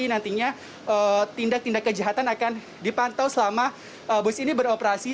nantinya tindak tindak kejahatan akan dipantau selama bus ini beroperasi